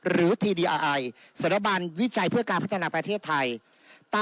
ทีดีอาไอสารบันวิจัยเพื่อการพัฒนาประเทศไทย